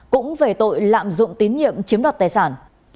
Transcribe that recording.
cũng về tội lạm dụng tín nhiệm chiếm đoạt tài sản